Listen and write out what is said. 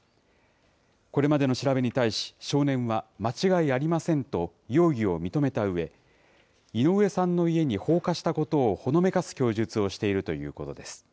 これまでの調べに対し、少年は間違いありませんと容疑を認めたうえ、井上さんの家に放火したことをほのめかす供述をしているということです。